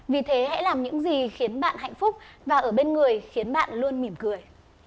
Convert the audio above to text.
vì thế hãy làm những gì khiến bạn hạnh phúc và ở bên người khiến bạn luôn mỉm cười